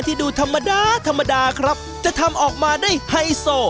ดูธรรมดาธรรมดาครับจะทำออกมาได้ไฮโซ